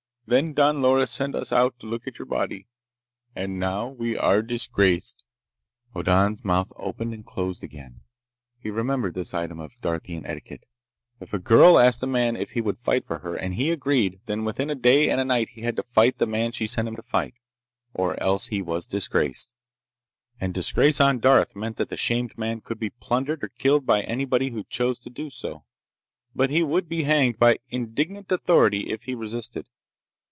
Then Don Loris sent us out to look at your body. And now we are disgraced!" Hoddan's mouth opened and closed and opened again. He remembered this item of Darthian etiquette. If a girl asked a man if he would fight for her, and he agreed, then within a day and a night he had to fight the man she sent him to fight, or else he was disgraced. And disgrace on Darth meant that the shamed man could be plundered or killed by anybody who chose to do so, but he would be hanged by indignant authority if he resisted.